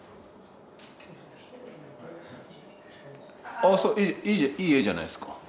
ああいい絵じゃないですか。